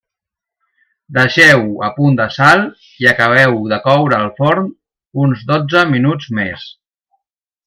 Deixeu-ho a punt de sal i acabeu-ho de coure al forn uns dotze minuts més.